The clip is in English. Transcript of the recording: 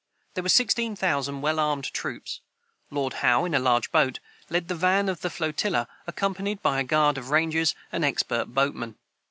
There were sixteen thousand well armed troops. Lord Howe, in a large boat, led the van of the flotilla, accompanied by a guard of rangers and expert boatmen.